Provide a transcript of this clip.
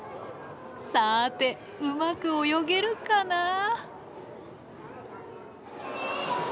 さあてうまく泳げるかな？